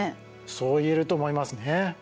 そう言えると思いますね。